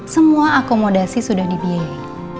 semua akomodasi sudah dibiayai